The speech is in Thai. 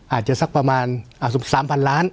อาจจะสักประมาณ๓๐๐๐ล้าน